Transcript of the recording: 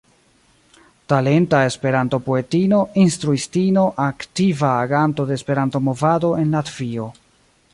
Talenta Esperanto-poetino, instruistino, aktiva aganto de Esperanto-movado en Latvio.